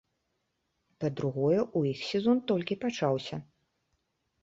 Па-другое, у іх сезон толькі пачаўся.